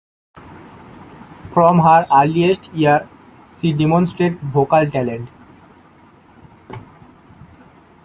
From her earliest years, she demonstrated vocal talent.